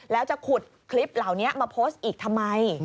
แล้วจะขุดคลิปเหล่านี้มาโพสต์อีกทำไม